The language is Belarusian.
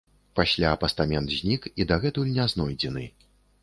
Пасля пастамент знік і дагэтуль не знойдзены.